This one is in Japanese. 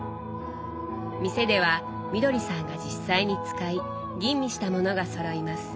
店ではみどりさんが実際に使い吟味した物がそろいます。